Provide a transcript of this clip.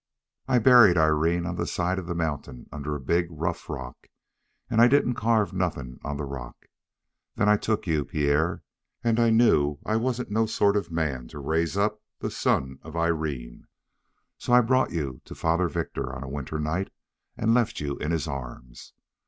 "I buried Irene on the side of the mountain under a big, rough rock, and I didn't carve nothing on the rock. Then I took you, Pierre, and I knew I wasn't no sort of a man to raise up the son of Irene; so I brought you to Father Victor on a winter night and left you in his arms.